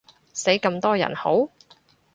死咁多人好？